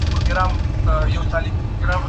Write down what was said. نجونې بايد ښوونځي ته لاړې شي.